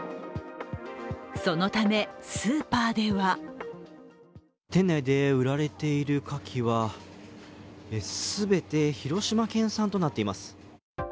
そのため、スーパーでは店内で売られているかきは全て広島県産となっています。